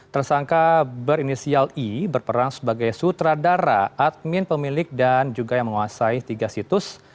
tersangka berinisial i berperan sebagai sutradara admin pemilik dan juga yang menguasai tiga situs